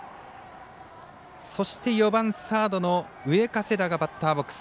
そして、４番サードの上加世田がバッターボックス。